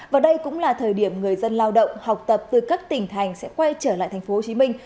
và đây cũng là thời điểm người dân lao động học tập từ các tỉnh thành sẽ quay trở lại thành phố hồ chí minh